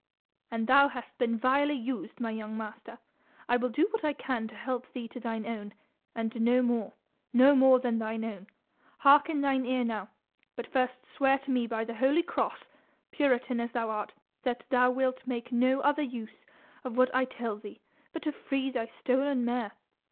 And thou hast been vilely used, my young master. I will do what I can to help thee to thine own and no more no more than thine own. Hark in thine ear now. But first swear to me by the holy cross, puritan as thou art, that thou wilt make no other use of what I tell thee but to free thy stolen mare.